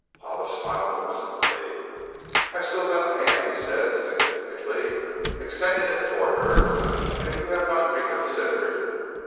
Hollis smiled whimsically. "I've still got the hand," he said significantly, extending it toward her "if you have not reconsidered."